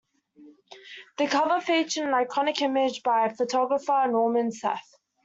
The cover featured an iconic image by photographer Norman Seeff.